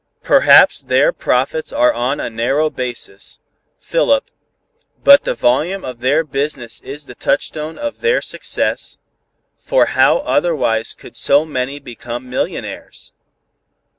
Perhaps their profits are on a narrow basis, Philip; but the volume of their business is the touchstone of their success, for how otherwise could so many become millionaires?